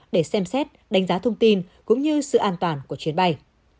để xem xét đánh giá thông tin cũng như sự an toàn của chuyến bay